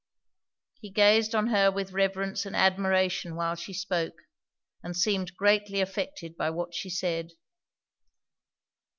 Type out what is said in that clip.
He gazed on her with reverence and admiration while she spoke, and seemed greatly affected by what she said.